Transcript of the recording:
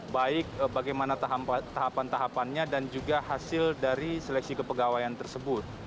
baik bagaimana tahapan tahapannya dan juga hasil dari seleksi kepegawaian tersebut